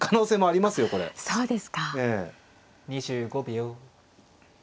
２５秒。